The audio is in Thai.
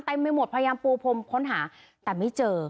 ไม่หมดพยายามปูพรมค้นหาแต่ไม่เจอ